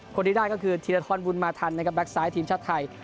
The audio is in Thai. คนที่ได้ก็คือธีระทรวนวุลมาธันแบ็คซ้ายทีมชาติไทย